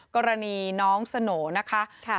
กรณีน้องสโหน่นะคะ